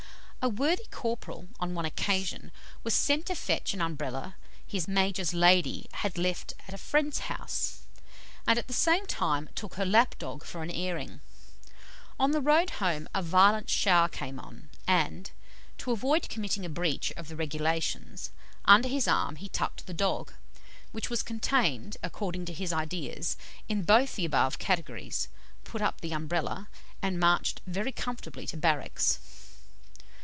A worthy corporal, on one occasion, was sent to fetch an Umbrella his Major's lady had left at a friend's house, and at the same time took her lapdog for an airing. On the road home a violent shower came on, and, to avoid committing a breach of the regulations, under his arm he tucked the dog, which was contained, according to his ideas, in both the above categories, put up the Umbrella, and marched very comfortably to barracks.